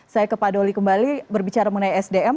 saya ke pak doli kembali berbicara mengenai sdm